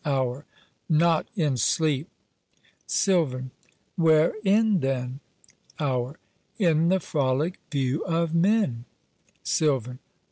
HOUR. Not in sleep! SILVAN. Wherein then? HOUR. In the frolic view of men! SILVAN.